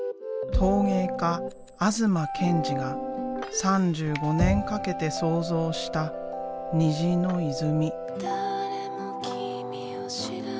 陶芸家東健次が３５年かけて創造した「虹の泉」。